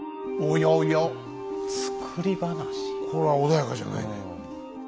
これは穏やかじゃないね。